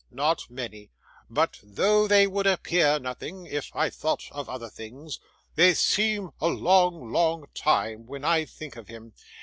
Not many; but though they would appear nothing, if I thought of other things, they seem a long, long time, when I think of him.